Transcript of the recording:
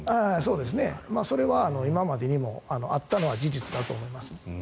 それは今までにもあったのは事実だと思います。